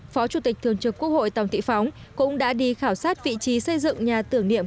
phó chủ tịch thường trực quốc hội tòng thị phóng cũng đã đi khảo sát vị trí xây dựng nhà tưởng niệm